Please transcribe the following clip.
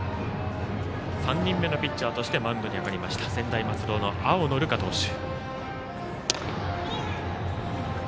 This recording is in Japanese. ３人目のピッチャーとしてマウンドに上がりました専大松戸の青野流果投手。